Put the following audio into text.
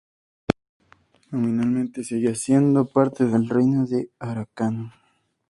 Nominalmente seguía siendo parte del Reino de Arakan.